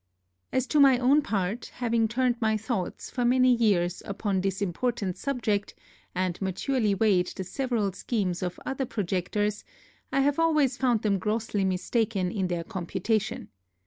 As to my own part, having turned my thoughts for many years upon this important subject, and maturely weighed the several schemes of our projectors, I have always found them grossly mistaken in their computation.